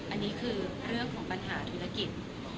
อันนี้คือเรื่องของปัญหาธุรกิจ